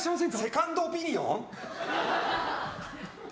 セカンドオピニオン？